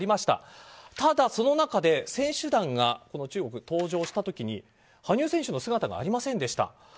ただ、その中で選手団が中国に登場した時に羽生選手の姿がありませんでした。